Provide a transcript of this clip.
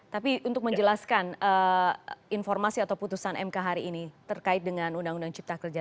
tapi untuk menjelaskan informasi atau putusan mk hari ini terkait dengan undang undang cipta kerja